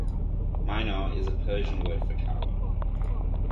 Minar is a Persian word for tower.